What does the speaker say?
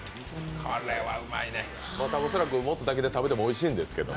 これはうまいね恐らくもつだけで食べてもおいしいんですけど。